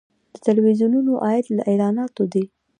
د تلویزیونونو عاید له اعلاناتو دی